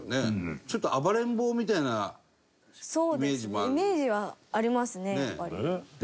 イメージはありますねやっぱり。